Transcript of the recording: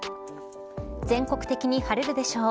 全国的に晴れるでしょう。